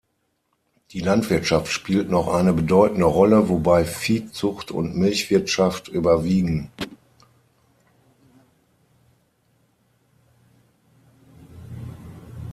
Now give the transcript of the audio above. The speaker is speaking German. Die Landwirtschaft spielt noch eine bedeutende Rolle, wobei Viehzucht und Milchwirtschaft überwiegen.